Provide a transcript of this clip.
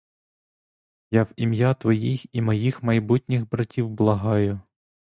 Я в ім'я твоїх і моїх майбутніх братів благаю!